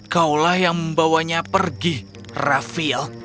kau lah yang membawanya pergi raphel